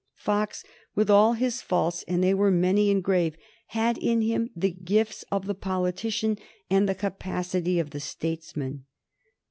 Fox, with all his faults, and they were many and grave, had in him the gifts of the politician and the capacity of the statesman.